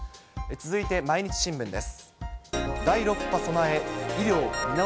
続いて毎日新聞です。